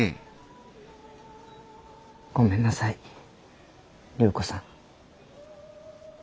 ごめんなさい隆子さん。